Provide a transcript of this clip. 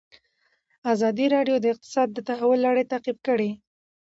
ازادي راډیو د اقتصاد د تحول لړۍ تعقیب کړې.